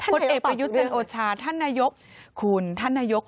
ผลเอกประยุทธ์จันโอชาท่านนายกคุณท่านนายก